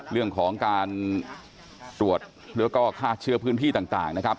เรื่องของการตรวจแล้วก็ฆ่าเชื้อพื้นที่ต่างนะครับ